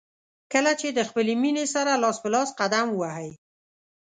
کله چې د خپلې مینې سره لاس په لاس قدم ووهئ.